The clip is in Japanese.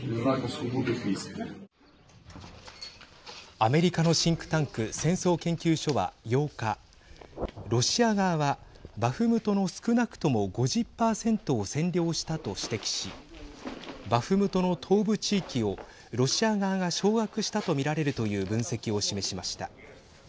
アメリカのシンクタンク戦争研究所は８日ロシア側はバフムトの少なくとも５０％を占領したと指摘しバフムトの東部地域をロシア側が掌握したと見られるという分析を示しました。